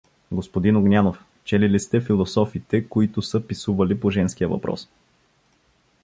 — Господин Огнянов, чели ли сте философите, които са писували по женския въпрос?